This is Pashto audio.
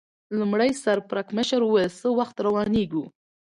لومړي سر پړکمشر وویل: څه وخت روانېږو؟